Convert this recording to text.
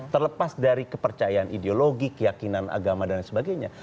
terlepas dari kepercayaan ideologi keyakinan agama dan lain sebagainya